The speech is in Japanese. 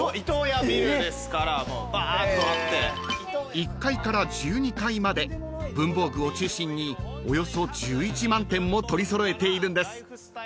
［１階から１２階まで文房具を中心におよそ１１万点も取り揃えているんです］